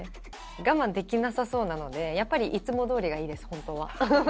我慢できなさそうなので、やっぱりいつもどおりがいいです、本当は。